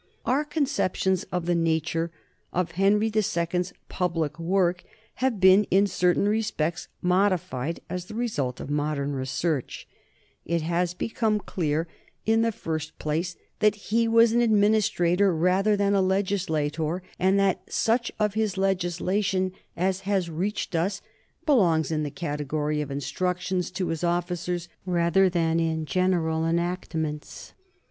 Our conceptions of the nature of Henry II 's public work have been in certain respects modified as the result of modern research. It has become clear, in the first 1 Benedict of Peterborough, u, p. xxxi. 94 NORMANS IN EUROPEAN HISTORY place, that he was an administrator rather than a legis lator, and that such of his legislation as has reached us belongs in the category of instructions to his officers rather than in that of general enactments.